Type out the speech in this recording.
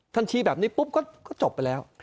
ท่านชี้แบบนี้ปุ๊บก็จบแล้ว